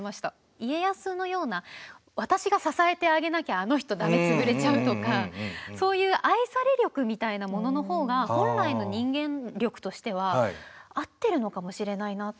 家康のような私が支えてあげなきゃあの人だめ、潰れちゃうとかそういう愛され力みたいなもののほうが本来の人間力としては合っているのかもしれないなって。